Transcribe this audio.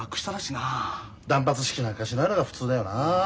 断髪式なんかしないのが普通だよな。